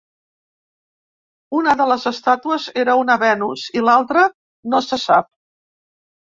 Una de les estàtues era una Venus i l'altra no se sap.